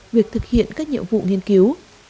việc thực hiện các nhiệm vụ nghiên cứu